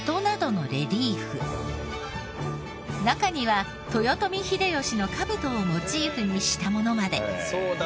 中には豊臣秀吉のカブトをモチーフにしたものまで。